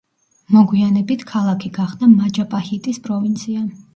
მოგვიანებით ქალაქი გახდა მაჯაპაჰიტის პროვინცია.